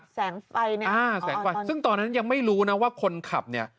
แสงไฟเนี่ยอ่าแสงไฟซึ่งตอนนั้นยังไม่รู้นะว่าคนขับเนี่ย